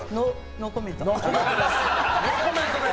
ノーコメント